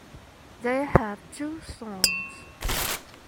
They have two sons.